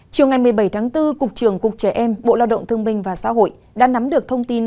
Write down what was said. chiều ngày một mươi bảy tháng bốn cục trưởng cục trẻ em bộ lao động thương minh và xã hội đã nắm được thông tin